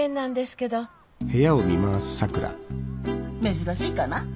珍しいかな？